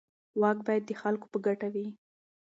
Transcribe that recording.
واک باید د خلکو په ګټه وي.